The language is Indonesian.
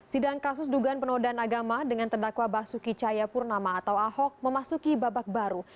sidang kasus dugaan penodaan agama dengan terdakwa basuki cayapurnama atau ahok memasuki babak baru